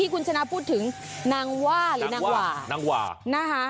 ก็จะพูดถึงนางว่าหรือนางว่า